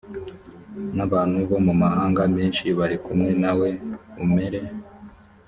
n abantu bo mu mahanga menshi bari kumwe nawe umere